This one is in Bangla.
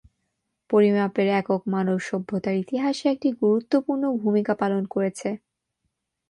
পরিমাপের একক মানব সভ্যতার ইতিহাসে একটি গুরুত্বপূর্ণ ভূমিকা পালন করেছে।